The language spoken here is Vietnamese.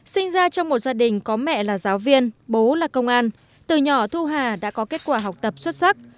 sinh ra trong một gia đình có mẹ là giáo viên bố là công an từ nhỏ thu hà đã có kết quả học tập xuất sắc